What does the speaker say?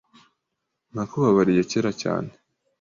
Nakubabariye kera cyane. .